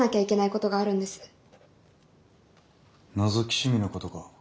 のぞき趣味のことか。